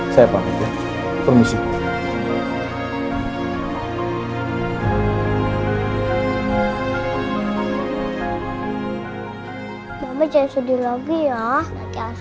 saya pak permisi